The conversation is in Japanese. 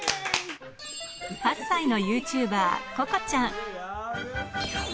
８歳のユーチューバー、ここちゃん。